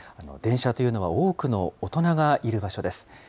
電車というのは多くの大人がいる場所です。